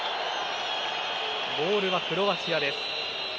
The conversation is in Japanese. ボールはクロアチア。